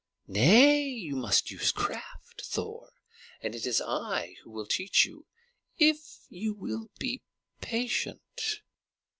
Nay, you must use craft, Thor; and it is I who will teach you, if you will be patient."